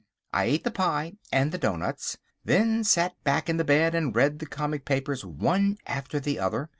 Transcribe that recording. I ate the pie and the doughnuts, then sat back in the bed and read the comic papers one after the other.